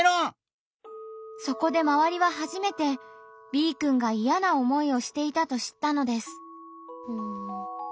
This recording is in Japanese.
そこで周りは初めてＢくんがいやな思いをしていたと知ったのです。